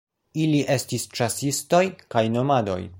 Ili estis ĉasistoj kaj nomadoj.